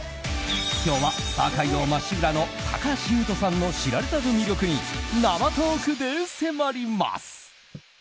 今日はスター街道まっしぐらの高橋優斗さんの知られざる魅力に生トークで迫ります。